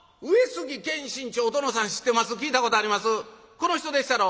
この人でっしゃろ？